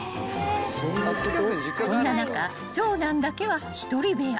［そんな中長男だけは一人部屋］